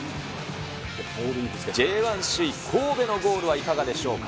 Ｊ１首位神戸のゴールはいかがでしょうか。